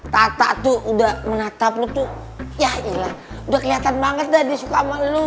tata tuh udah menatap lo tuh ya iya lah udah kelihatan banget dah dia suka sama lo